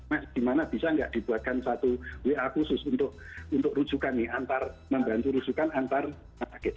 mas di mana bisa nggak dibuatkan satu wa khusus untuk rujukan nih antar membantu rujukan antar